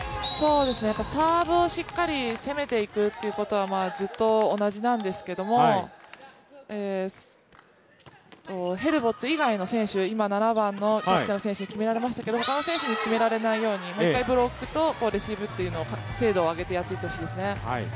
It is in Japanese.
サーブをしっかり攻めていくことはずっと同じなんですけども、ヘルボッツ以外の選手、今７番のキャプテンの選手に決められましたけども他の選手に決められないようにもう１回ブロックとレシーブを精度を上げてやってほしいですね。